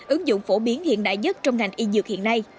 ứng dụng phổ biến hiện đại nhất trong ngành y dược hiện nay